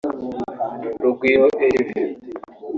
Rugwiro Herve